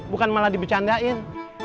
bukan malah dibercandain